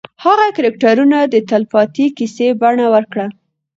هغې کرکټرونه د تلپاتې کیسې بڼه ورکړه.